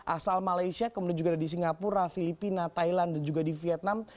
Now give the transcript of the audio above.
asal malaysia kemudian juga ada di singapura filipina thailand dan juga di vietnam